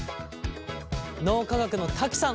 脳科学の瀧さん